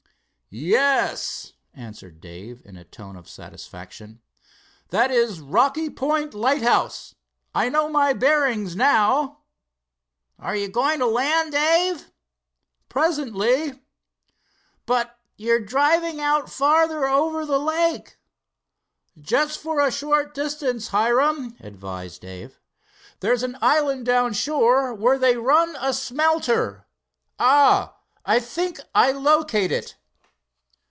"Yes," answered Dave in a tone of satisfaction. "That is Rocky Point lighthouse. I know my bearings, now." "Are you going to land, Dave?" "Presently." "But you're driving out further over the lake." "Just for a short distance, Hiram," advised Dave. "There's an island down shore where they run a smelter ah, I think I locate it."